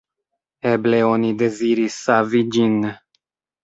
Eble oni deziris savi ĝin.